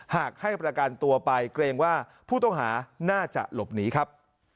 หากให้ประกันตัวไปเกรงว่าผู้ต้องหาน่าจะหลบหนีครับ